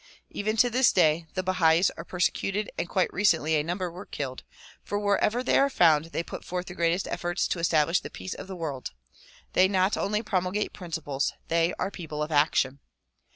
Even to this day the Bahais are persecuted and quite recently a number were killed, for wherever they are found they put forth the greatest efforts to establish the peace of the world. They not only promulgate principles; they are people of action.